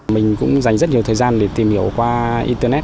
mình cũng dành rất nhiều thời gian để tìm hiểu qua internet